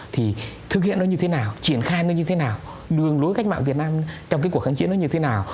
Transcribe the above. thì thực hiện nó như thế nào triển khai nó như thế nào đường lối cách mạng việt nam trong cái cuộc kháng chiến nó như thế nào